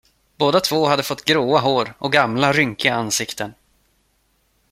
Båda två hade fått gråa hår och gamla, rynkiga ansikten.